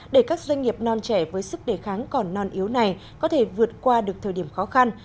để các doanh nghiệp non trẻ với sức đề kháng còn non yếu này có thể vượt qua được thời điểm khó khăn